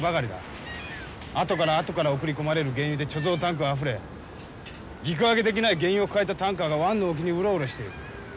後から後から送り込まれる原油で貯蔵タンクはあふれ陸揚げできない原油を抱えたタンカーが湾の沖にうろうろしている。